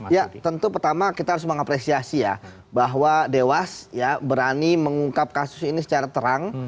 ya tentu pertama kita harus mengapresiasi ya bahwa dewas ya berani mengungkap kasus ini secara terang